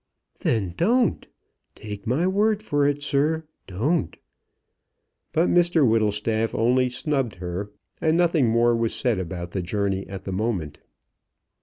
"Then don't. Take my word for it, sir, don't." But Mr Whittlestaff only snubbed her, and nothing more was said about the journey at the moment.